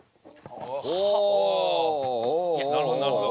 なるほどなるほど。